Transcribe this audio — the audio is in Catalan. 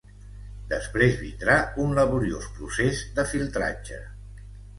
Després vindrà un laboriós procés de filtratge.